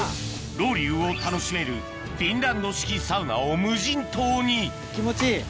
ロウリュを楽しめるフィンランド式サウナを無人島に気持ちいい？